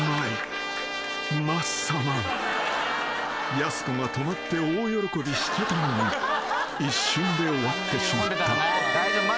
［やす子が止まって大喜びしてたのに一瞬で終わってしまった］